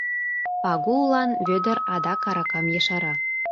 Пагуллан Вӧдыр адак аракам ешара.